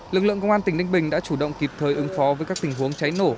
lực lượng công an tỉnh ninh bình đã chủ động kịp thời ứng phó với các tình huống cháy nổ